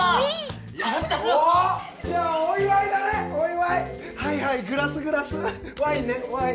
やったのうウィじゃあお祝いだねお祝いはいはいグラスグラスワインねワイン